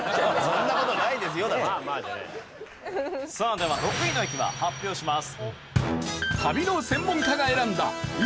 では６位の駅は発表します。